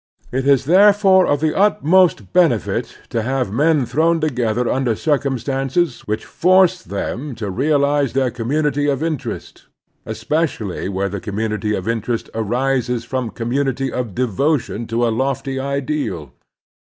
It is therefore of the utmost benefit to have men thrown together under circtunstances which force them to realize their community of interest, espe cially where the community of interest arises from commuAity pf devotion to a lofty ideal.